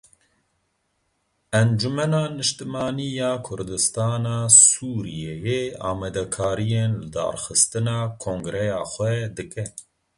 Encumena Niştimanî ya Kurdistana Sûriyeyê amadekariyên lidarxistina kongreya xwe dike.